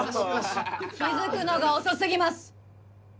気づくのが遅すぎます